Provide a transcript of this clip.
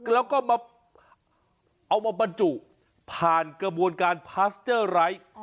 แล้วก็มาเอามาบรรจุผ่านกระบวนการพาสเจอร์ไร้